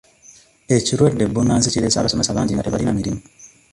Ekirwadde bbunansi kirese abasomesa bangi nga tebalina mirimu.